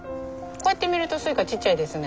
こうやって見るとスイカちっちゃいですね。